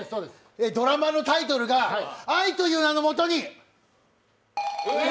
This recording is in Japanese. ドラマのタイトルが、「愛という名のもとに」。